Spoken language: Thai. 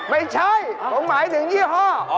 ไม่ใช่ผมหมายถึงยี่ห้อ